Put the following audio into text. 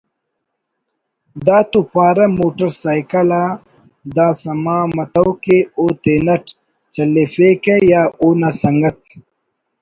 دا تو پارہ motor cycle آ داسما متو کہ او تینٹ چلیفیکہ یا اونا سنگت